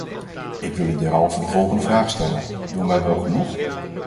Ik wil u derhalve de volgende vraag stellen: doen wij wel genoeg?